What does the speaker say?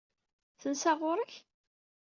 Tensa ɣur-k?